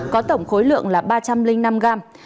có tổng khối lượng là ba trăm linh năm gram